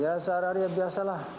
ya sehari hari ya biasalah